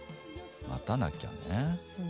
待たなきゃね。